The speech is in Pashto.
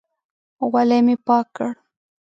غولی مې پاک کړ.